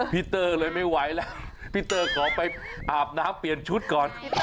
พี่เตอร์เลยไม่ไหวแล้วพี่เตอร์ขอไปอาบน้ำเปลี่ยนชุดก่อน